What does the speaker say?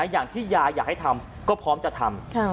อย่างที่ยายอยากให้ทำก็พร้อมจะทำ